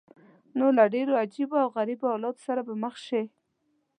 نو له ډېرو عجیبه او غریبو حالاتو سره به مخ شې.